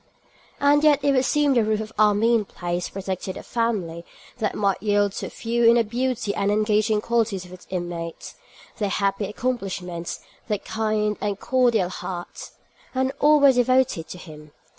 And yet it would seem the roof of Armine Place protected a family that might yield to few in the beauty and engaging qualities of its inmates, their happy accomplishments, their kind and cordial hearts. And all were devoted to him.